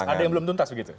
ada yang belum tuntas begitu